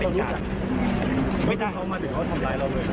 ขออนุญาตนะครับ